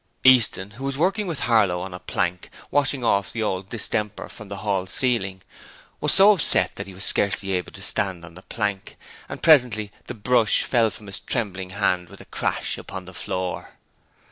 Easton, who was working with Harlow on a plank, washing off the old distemper from the hall ceiling, was so upset that he was scarcely able to stand on the plank, and presently the brush fell from his trembling hand with a crash upon the floor.